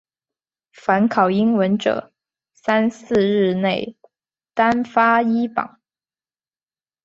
凡考英文者三四日内单发一榜。